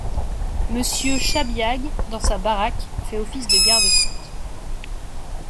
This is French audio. M Chabiague, dans sa baraque, fait office de garde côte.